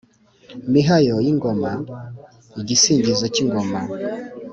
mihayo y’ingoma: igisingizo k’ingoma